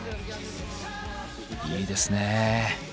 いいですね。